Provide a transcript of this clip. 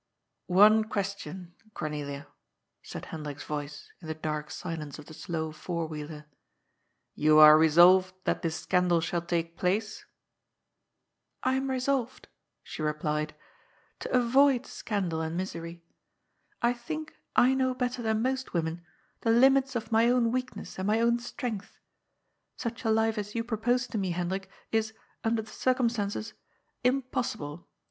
" One question, Cornelia," said Hendrik's voice in the dark silence of the slow four wheeler. " You are resolved that this scandal shall take place ?" ^^I am resolved," she replied, ^to avoid scandal and misery. I think I know better than most women the limits of my own weakness and my own strength. Such a life as you propose to me, Hendrik, is, under the circumstances, impossible.